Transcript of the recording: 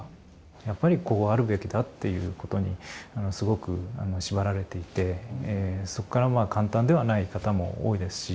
やっぱりこうあるべきだっていうことにすごく縛られていてそっから簡単ではない方も多いですし。